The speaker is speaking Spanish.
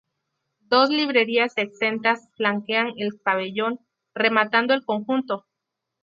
Dos librerías exentas flanquean el pabellón, rematando el conjunto.